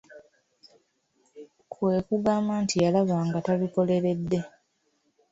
Kwe kugamba nti yalaba ng'atabikoleredde.